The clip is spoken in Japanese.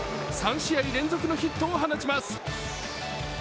３試合連続のヒットを放ちます。